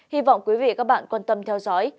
hy vọng quý vị các bạn quan tâm theo dõi